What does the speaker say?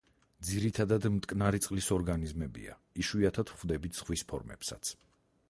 ძირითადად მტკნარი წყლის ორგანიზმებია, იშვიათად ვხვდებით ზღვის ფორმებსაც.